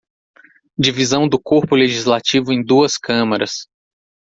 Divisão do corpo legislativo em duas câmaras.